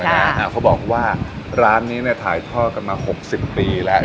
เพราะพูดพูดว่าก็บอกว่าร้านนี้เนี้ยถ่ายท่อกันมา๖๐ปีแหละ